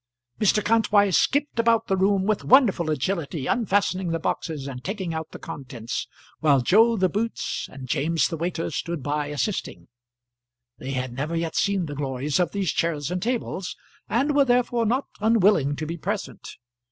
Mr. Kantwise skipped about the room with wonderful agility, unfastening the boxes, and taking out the contents, while Joe the boots and James the waiter stood by assisting. They had never yet seen the glories of these chairs and tables, and were therefore not unwilling to be present.